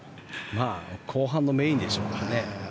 後半のメインでしょうからね。